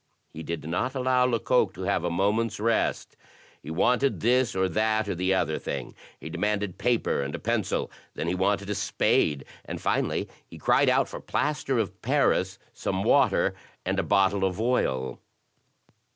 He did not allow Lecoq to have a moment's rest. He wanted this or that or the other thing. He demanded paper and a pencil. Then he wanted a spade; and finally he cried out for plaster of Paris, some water and a bottle of oil.